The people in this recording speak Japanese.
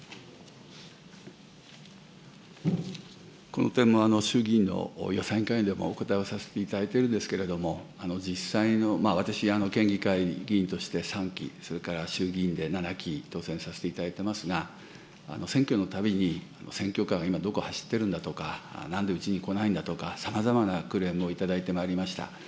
この点も衆議院の予算委員会でもお答えをさせていただいているんですけれども、私、県議会議員として３期、それから衆議院で７期、当選させていただいてますが、選挙のたびに選挙カーは今どこ走ってるだとか、なんでうちに来ないんだとか、さまざまなクレームを頂いてまいりました。